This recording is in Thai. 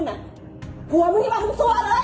อาหารที่สุดท้าย